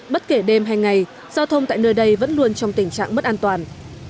bất kể đêm hay ngày giao thông tại nơi đây vẫn luôn trong tình trạng mất an toàn